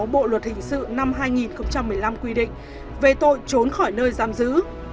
một trăm tám mươi sáu bộ luật hình sự năm hai nghìn một mươi năm quy định về tội trốn khỏi nơi giam giữ